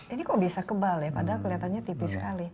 ini kok bisa kebal ya padahal kelihatannya tipis sekali